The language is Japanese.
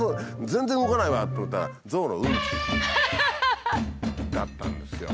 全然動かないわと思ったらゾウのうんちだったんですよ。